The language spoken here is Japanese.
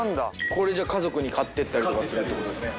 これじゃあ家族に買ってったりとかするってことですね。